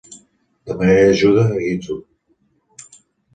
Demanaré ajuda a Github.